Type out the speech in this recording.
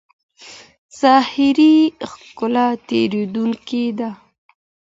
ظاهري ښکلا تېرېدونکې ده.